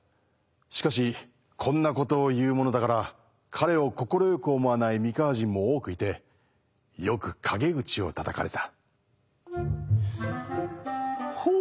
しかしこんなことを言うものだから彼を快く思わない三河人も多くいてよく陰口をたたかれた。